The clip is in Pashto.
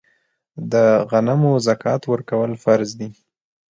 د غنمو زکات ورکول فرض دي.